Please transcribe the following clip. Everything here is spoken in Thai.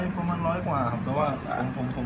ประมาณร้อยกว่าครับแต่ว่าผมไม่ได้ดูมาก